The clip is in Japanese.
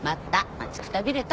待ちくたびれた。